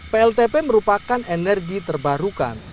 pltp merupakan energi terbarukan